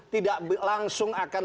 tidak langsung akan